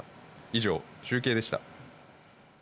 以上、中継でした。